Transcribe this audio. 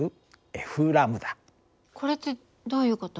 これってどういう事？